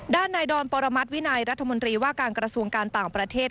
ด้านในดอนปรมัติวินัยรัฐมนตรีว่าการกระทรวงการต่างประเทศ